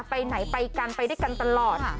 ไปไหนไปกันไปด้วยกันตลอด